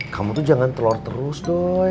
kamu tuh jangan telur terus tuh